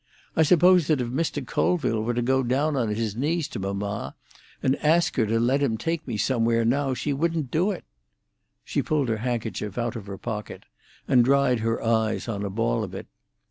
I suppose that if Mr. Colville were to go down on his knees to mamma and ask her to let him take me somewhere now, she wouldn't do it." She pulled her handkerchief out of her pocket, and dried her eyes on a ball of it.